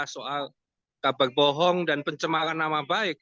soal kabar bohong dan pencemaran nama baik